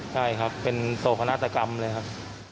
ใช่ครับเป็นโศกนาฏกรรมเลยครับ